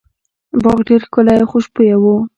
باغ ډیر ښکلی او خوشبويه و.